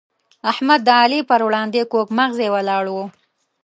احمد د علي پر وړاندې کوږ مغزی ولاړ وو.